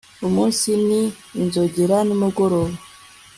Umunsi ni inzogera nimugoroba